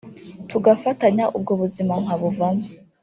tugafatanya ubwo buzima nkabuvamo